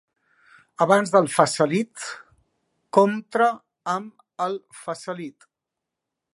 Abans del "facelift" contra amb el "facelift".